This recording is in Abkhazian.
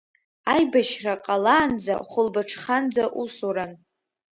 Аибашьра ҟалаанӡа хәылбыҽханӡа усуран.